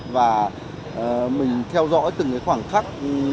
và mình theo dõi từng khoảng khắc